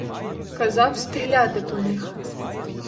Казав стріляти по них.